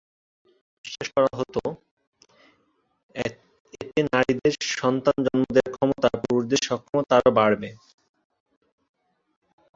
তখন বিশ্বাস করা হত, এতে নারীদের সন্তান জন্ম দেয়ার ক্ষমতা আর পুরুষদের সক্ষমতা আরো বাড়বে।